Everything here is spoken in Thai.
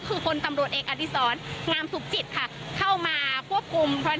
คือคนตำรวจเอกอดิษรงามสุขจิตค่ะเข้ามาควบคุม